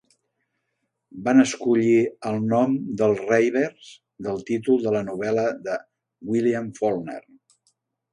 Van escollir el nom de "Els Reivers" del títol de la novel·la de William Faulkner.